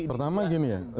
pertama gini ya